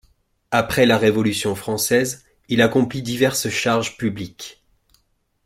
Après la révolution française, il accomplit diverses charges publiques.